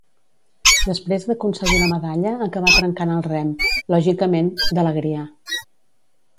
Després d'aconseguir la medalla acabà trencant el rem, lògicament, d'alegria.